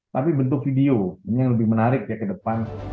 tapi bentuk video ini yang lebih menarik ya ke depan